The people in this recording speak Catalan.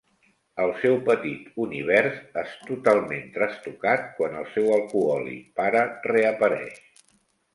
El seu petit univers és totalment trastocat quan el seu alcohòlic pare reapareix.